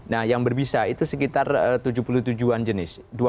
nah yang berbisa itu sekitar tujuh puluh tujuh an jenis